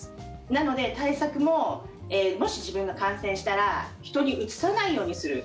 なので、対策ももし自分が感染したら人にうつさないようにする。